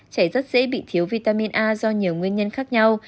trẻ rất dễ bị thiếu vitamin a do nhiều nguyên nhân khác nhau